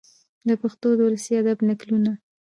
د پښتو د ولسي ادب نکلونه،